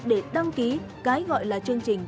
để đăng ký cái gọi là chương trình